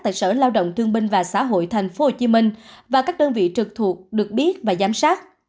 tại sở lao động thương binh và xã hội tp hcm và các đơn vị trực thuộc được biết và giám sát